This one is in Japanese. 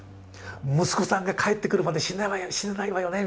「息子さんが帰ってくるまで死ねないわよね」